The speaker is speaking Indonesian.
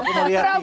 aku mau lihat nih